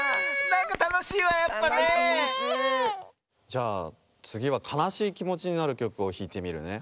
じゃあつぎはかなしいきもちになるきょくをひいてみるね。